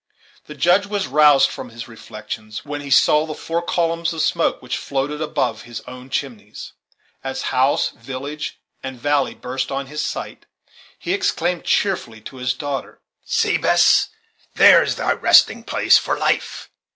The Judge was roused from his reflections, when he saw the four columns of smoke which floated above his own chimneys. As house, village, and valley burst on his sight, he exclaimed cheerfully to his daughter: "See, Bess, there is thy resting place for life!